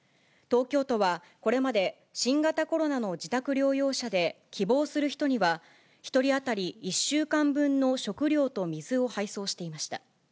東京都は、これまで新型コロナの自宅療養者で希望する人には、１人当たり１週間分の食料と水を配送していました。